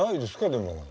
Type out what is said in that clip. でも。